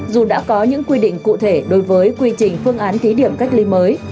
dù đã có những quy định cụ thể đối với quy trình phương án thí điểm cách ly mới